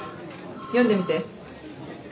読んでみて。